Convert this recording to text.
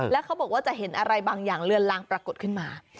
แล้วเขาบอกว่าจะเห็นอะไรบางอย่างเลือนลางปรากฏขึ้นมา